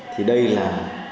thì đây là